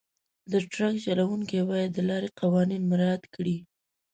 د ټرک چلونکي باید د لارې قوانین مراعات کړي.